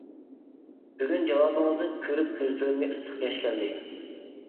بۈگۈن جاۋابىڭىزنى كۆرۈپ كۆزلىرىمگە ئىسسىق ياش كەلدى.